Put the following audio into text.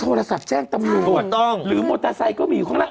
โทรศัพท์แจ้งตำรวจหรือมอเตอร์ไซค์ก็มีอยู่ข้างล่าง